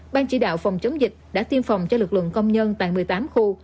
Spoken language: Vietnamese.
ban chỉ đạo phòng chống dịch đã tiêm phòng cho lực lượng công nhân tại một mươi tám khu